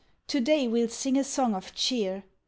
to day we'll sing a song of cheer!